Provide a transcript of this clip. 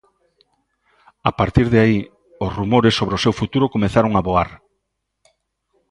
A partir de aí os rumores sobre o seu futuro comezaron a voar.